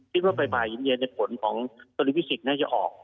พิกัดว่าไปผ่านเย็นนายจะผลของตรพิษฎิงน่าจะออก